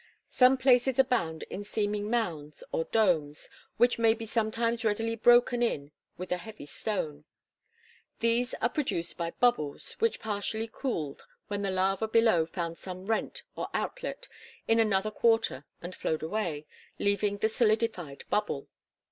Some places abound in seeming mounds or domes, which may be sometimes readily broken in with a heavy stone. These are produced by bubbles which partially cooled, when the lava below found some rent or outlet in another quarter and flowed away, leaving the solidified bubble.